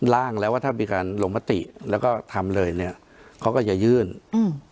ร่างแล้วว่าถ้ามีการลงมติแล้วก็ทำเลยเนี้ยเขาก็จะยื่นอืม